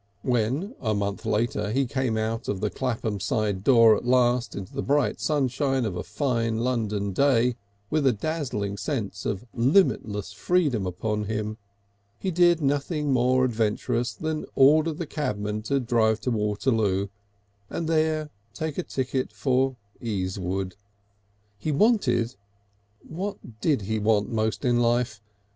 When, a month later, he came out of the Clapham side door at last into the bright sunshine of a fine London day, with a dazzling sense of limitless freedom upon him, he did nothing more adventurous than order the cabman to drive to Waterloo, and there take a ticket for Easewood. He wanted what did he want most in life?